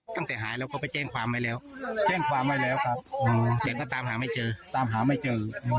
ตั้งแต่หายแล้วก็ไปแจ้งความไว้แล้วแจ้งความไว้แล้วครับแกก็ตามหาไม่เจอตามหาไม่เจอ